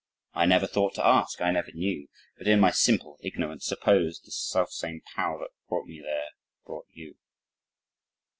I never thought to ask, I never knew; But, in my simple ignorance, suppose The self same Power that brought me there brought you.